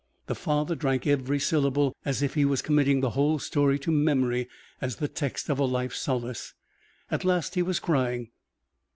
The father drank every syllable as if he was committing the whole story to memory as the text of a life's solace. At last he was crying.